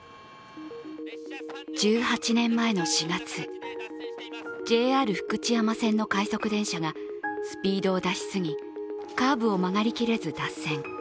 １８年前の４月ＪＲ福知山線の快速電車がスピードを出しすぎカーブを曲がりきれず脱線。